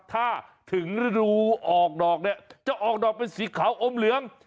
ถ้าถึงฤดูออกดอกเนี่ยจะออกดอกเป็นสีขาวอมเหลือง